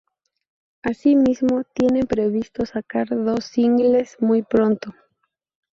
Así mismo tienen previsto sacar dos singles muy pronto.